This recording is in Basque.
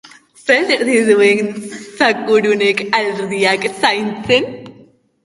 Ze alderdi duen zakur unek ardiak zaintzen!